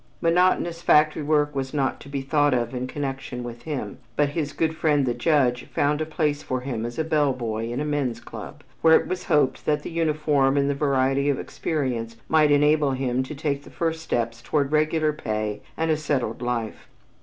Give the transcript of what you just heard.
Monotonous factory work was not to be thought of in connection with him, but his good friend the judge found a place for him as a bell boy in a men's club, where it was hoped that the uniform and the variety of experience might enable him to take the first steps toward regular pay and a settled life.